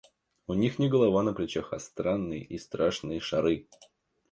У них не голова на плечах, а странные и страшные шары.